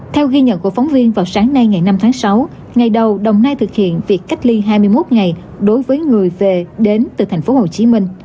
theo ghi nhận của phóng viên vào sáng nay ngày năm tháng sáu ngày đầu đồng nai thực hiện việc cách ly hai mươi một ngày đối với người về đến từ tp hcm